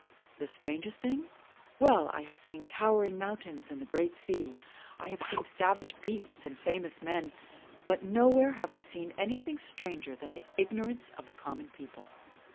" The strangest thing ? Well, I have seen tower ing mountains and the great sea; I have seen savage beasts and famous men; but nowhere have I seen anything stranger than the ignorance of the com mon people.